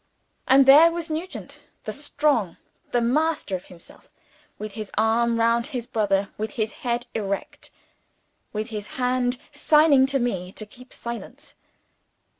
And there was Nugent the Strong, master of himself; with his arm round his brother, with his head erect, with his hand signing to me to keep silence.